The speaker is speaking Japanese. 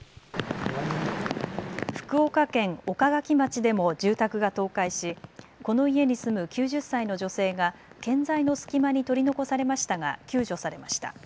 福岡県岡垣町でも住宅が倒壊しこの家に住む９０歳の女性が建材の隙間に取り残されましたが救助されました。